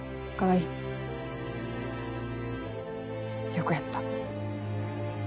よくやった。